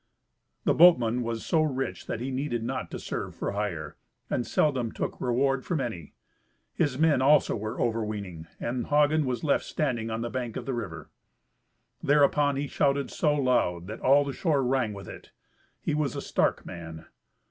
The boatman was so rich that he needed not to serve for hire, and seldom took reward from any. His men also were overweening, and Hagen was left standing on the bank of the river. Thereupon he shouted so loud that all the shore rang with it. He was a stark man.